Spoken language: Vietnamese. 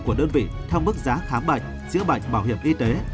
của đơn vị theo mức giá khám bệnh chữa bệnh bảo hiểm y tế